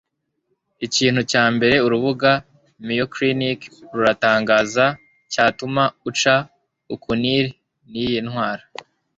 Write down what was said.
Ikintu cya mbere urubuga mayoclinic rutangaza cyatuma uca ukuniri n'iyi ndwara,